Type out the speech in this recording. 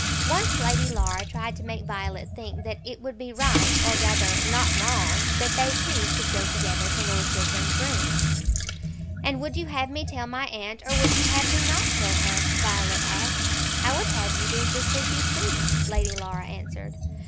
Once Lady Laura tried to make Violet think that it would be right, or rather not wrong, that they two should go together to Lord Chiltern's rooms. "And would you have me tell my aunt, or would you have me not tell her?" Violet asked. "I would have you do just as you pleased," Lady Laura answered.